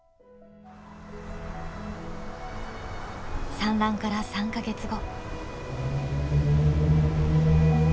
産卵から３か月後。